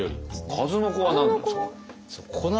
数の子は何なんですか？